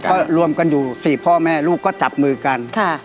ก็รวมกันอยู่๔พ่อแม่ลูกก็จับมือกัน